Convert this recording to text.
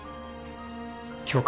教官。